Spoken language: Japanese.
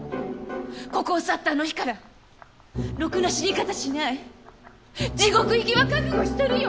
ここを去ったあの日からろくな死に方しない地獄行きは覚悟しとるよ！